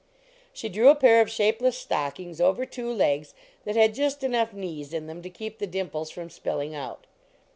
She drew a pair of shapeless stockings over two legs that had just enough knees in them to keep the dimples from spilling out.